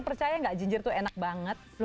percaya gak ginger tuh enak banget